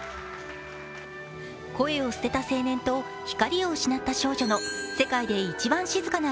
声を捨てた青年と光を失った少女の世界で“いちばん静かな”